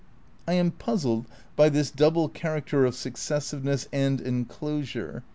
I am puzzled by this double character of successiveness and enclo sure.